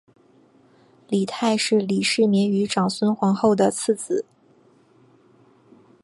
李泰是李世民与长孙皇后的次子。